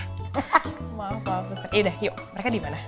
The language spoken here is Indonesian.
hahaha maaf maaf suster yaudah yuk mereka dimana